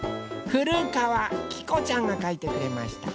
ふるかわきこちゃんがかいてくれました。